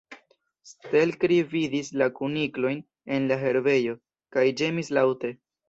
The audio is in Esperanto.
Stelkri vidis la kuniklojn en la herbejo, kaj ĝemis laŭte.